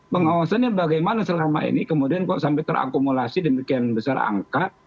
pengawasannya bagaimana selama ini kemudian kok sampai terakumulasi demikian besar angka